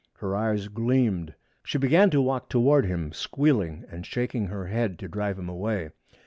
Her eyes gleamed. She began to walk toward him, squealing and shaking her head to drive him away.